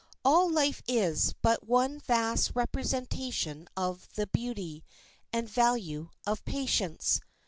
All life is but one vast representation of the beauty and value of patience.